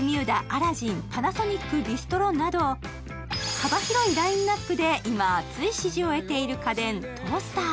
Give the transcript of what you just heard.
幅広いラインナップで今、熱い支持を得ているトースター。